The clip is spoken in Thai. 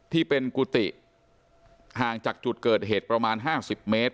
ที่เป็นกุฏิห่างจากจุดเกิดเหตุประมาณ๕๐เมตร